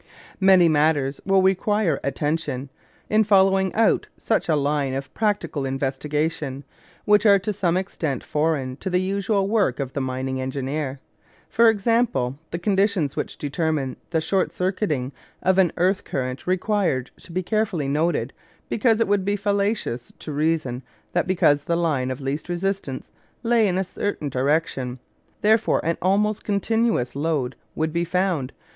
Many matters will require attention, in following out such a line of practical investigation, which are to some extent foreign to the usual work of the mining engineer. For example, the conditions which determine the "short circuiting" of an earth current require to be carefully noted, because it would be fallacious to reason that because the line of least resistance lay in a certain direction, therefore an almost continuous lode would be found.